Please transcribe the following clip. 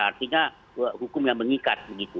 artinya hukum yang mengikat